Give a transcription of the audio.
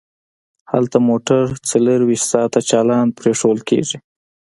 هلته موټر څلور ویشت ساعته چالان پریښودل کیږي